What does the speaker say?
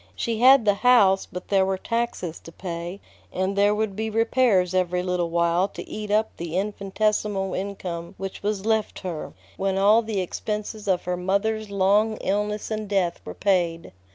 She had the house, but there were taxes to pay, and there would be repairs every little while to eat up the infinitesimal income which was left her, when all the expenses of her mother's long illness and death were paid.